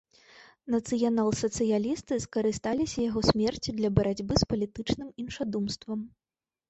Нацыянал-сацыялісты скарысталіся яго смерцю для барацьбы з палітычным іншадумствам.